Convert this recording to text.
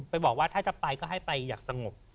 บอกว่าถ้าจะไปก็ให้ไปอย่างสงบ